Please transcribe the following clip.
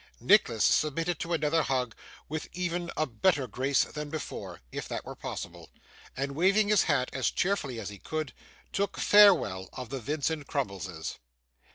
Nicholas submitted to another hug with even a better grace than before, if that were possible, and waving his hat as cheerfully as he could, took farewell of the Vincent Crummleses.